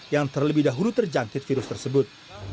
yang terlebih dahulu terjangkit virus tersebut